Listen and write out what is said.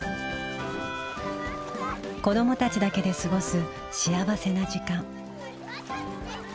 子どもたちだけで過ごす幸せな時間。